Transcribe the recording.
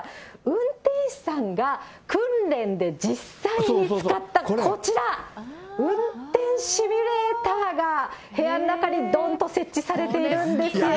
運転士さんが訓練で実際に使ったこちら、運転シミュレーターが部屋の中にどんと設置されているんですよ。